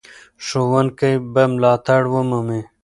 ښوونکي به ملاتړ ومومي.